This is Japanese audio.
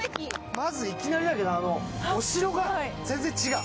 まず、いきなりだけどお城が全然違う。